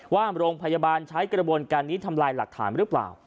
ว่าโรงพยาบาลใช้กระบวนการนี้ทำลายหลักฐานหรือเปล่า